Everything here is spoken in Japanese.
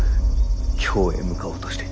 京へ向かおうとしていた。